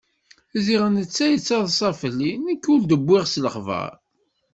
Ziɣ netta yattaḍṣa fell-i, nekk ur d-wwiɣ s lexbar.